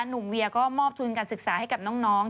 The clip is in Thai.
เวียก็มอบทุนการศึกษาให้กับน้อง